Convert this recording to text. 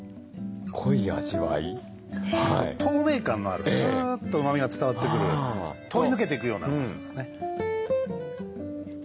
透明感のあるすっとうまみが伝わってくる通り抜けていくようなうまさだね。